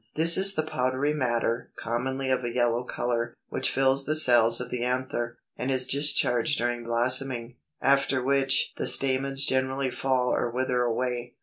= This is the powdery matter, commonly of a yellow color, which fills the cells of the anther, and is discharged during blossoming, after which the stamens generally fall or wither away.